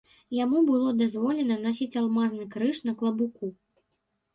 Яму было дазволена насіць алмазны крыж на клабуку.